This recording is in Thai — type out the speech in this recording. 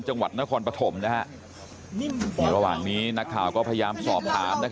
จังหวัดนครปฐมในระหว่างนี้นักข่าวก็พยายามสอบถาม